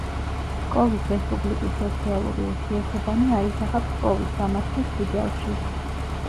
ფსკოვის რესპუბლიკის სოციალური ურთიერთობანი აისახა ფსკოვის სამართლის სიგელში.